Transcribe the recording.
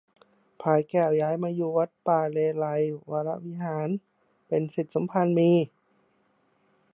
พลายแก้วย้ายมาอยู่วัดป่าเลไลยก์วรวิหาร เป็นศิษย์สมภารมี